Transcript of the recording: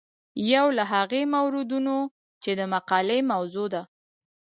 یو له هغو موردونو چې د مقالې موضوع ده.